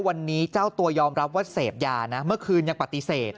วันนี้เจ้าตัวยอมรับว่าเสพยานะเมื่อคืนยังปฏิเสธ